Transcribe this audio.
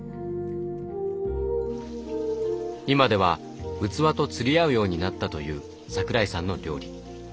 今では器と釣り合うようになったという桜井さんの料理。